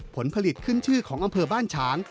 ผลผลิตขึ้นชื่อของอำเภอบ้านฉาง